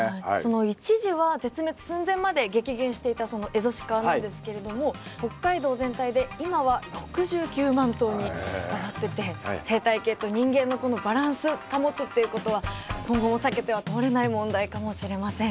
一時は絶滅寸前まで激減していたエゾシカなんですけれども北海道全体で今は６９万頭になっていて生態系と人間のこのバランス保つっていうことは今後も避けては通れない問題かもしれません。